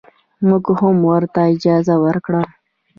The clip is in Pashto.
موږ هم ورته اجازه ورکړه.